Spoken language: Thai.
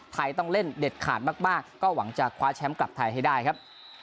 ต้องเล่นเด็ดขาดมากก็หวังจะคว้าแชมป์กลับไทยให้ได้ครับ